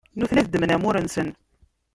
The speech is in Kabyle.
nutni ad ddmen amur-nsen.